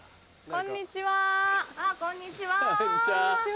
こんにちは。